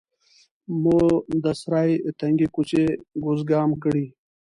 مو د سرای تنګې کوڅې ګزوګام کړې.